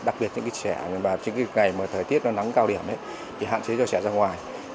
đặc biệt những trẻ ngày mà thời tiết nó nắng cao điểm thì hạn chế cho trẻ ra ngoài